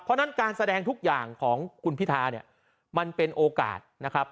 เพราะฉะนั้นการแสดงทุกอย่างของคุณพิธาเนี่ยมันเป็นโอกาสนะครับ